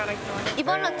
茨城？